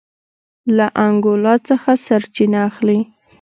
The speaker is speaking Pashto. له انګولا څخه سرچینه اخلي.